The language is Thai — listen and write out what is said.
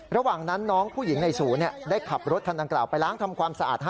ระหว่างนั้นน้องผู้หญิงในศูนย์ได้ขับรถคันดังกล่าวไปล้างทำความสะอาด